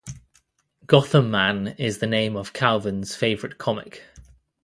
Gotham Man is the name of Calvin's favorite comic.